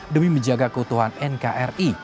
demi menjaga keutuhan nkri